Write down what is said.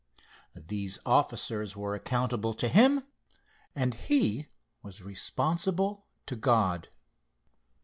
These officers were accountable to him, and he was responsible to God.